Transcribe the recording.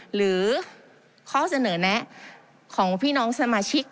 หรือข้อเสนอแนะของพี่น้องสมาชิก